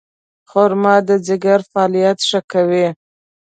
خرما د ځیګر فعالیت ښه کوي.